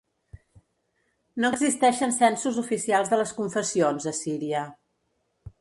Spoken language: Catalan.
No existeixen censos oficials de les confessions a Síria.